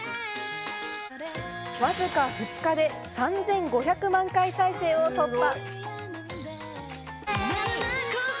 わずか２日で３５００万回再生を突破。